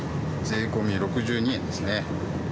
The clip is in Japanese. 税込み６２円ですね。